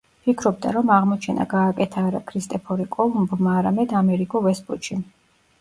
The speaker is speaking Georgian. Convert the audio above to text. ფიქრობდა, რომ აღმოჩენა გააკეთა არა ქრისტეფორე კოლუმბმა, არამედ ამერიგო ვესპუჩიმ.